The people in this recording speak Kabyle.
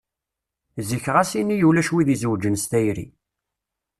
Zik ɣas ini ulac wid izewwǧen s tayri.